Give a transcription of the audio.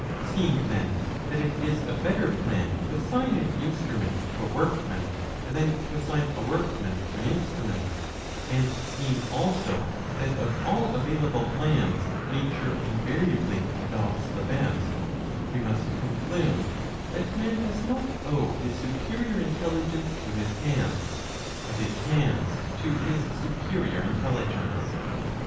Seeing then that it is a better plan to assign an instrument" to a workman than to assign a workman to an instrument, and seeing also that of all available plans nature invariably adopts the best, we must conclude that man does not owe his superior intelligence to his hands, but his hands to his superior intelligence.'